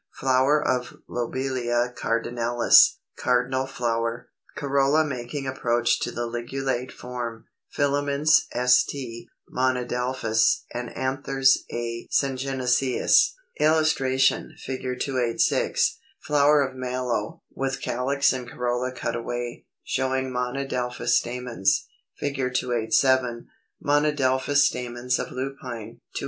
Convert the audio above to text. Flower of Lobelia cardinalis, Cardinal flower; corolla making approach to the ligulate form; filaments (st) monadelphous, and anthers (a) syngenesious.] [Illustration: Fig. 286. Flower of a Mallow, with calyx and corolla cut away; showing monadelphous stamens.] [Illustration: Fig. 287. Monadelphous stamens of Lupine. 288.